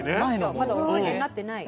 まだお酒になってない。